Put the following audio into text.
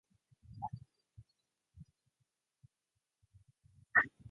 宮城県亘理町